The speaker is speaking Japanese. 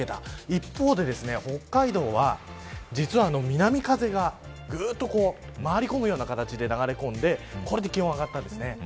一方で、北海道は南風がぐっと回り込むような形で流れ込んでこれで気温が上がったんです。